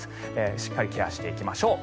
しっかりケアしていきましょう。